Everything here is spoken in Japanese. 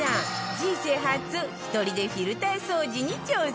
人生初１人でフィルター掃除に挑戦